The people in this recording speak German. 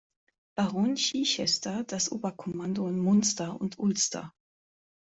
Baron Chichester das Oberkommando in Munster und Ulster.